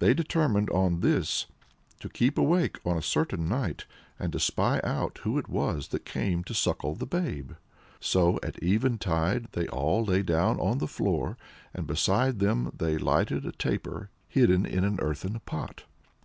They determined on this; to keep awake on a certain night, and to spy out who it was that came to suckle the babe. So at eventide they all lay down on the floor, and beside them they set a lighted taper hidden in an earthen pot.